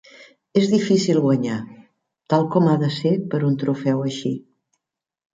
És difícil guanyar, tal com ha de ser per un trofeu així.